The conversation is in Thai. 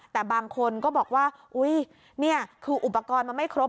แต่บางคนก็บอกว่าอุ๊ยนี่คืออุปกรณ์มันไม่ครบ